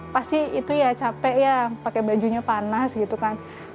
pasti itu ya capek ya pakai bajunya panas gitu kan